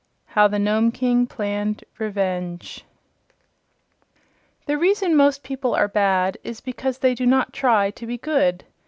4. How The Nome King Planned Revenge The reason most people are bad is because they do not try to be good.